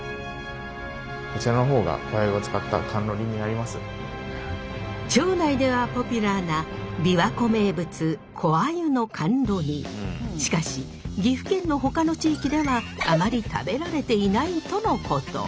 こちらの方が町内ではポピュラーな琵琶湖名物しかし岐阜県のほかの地域ではあまり食べられていないとのこと。